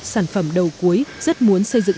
sản phẩm đầu cuối rất muốn xây dựng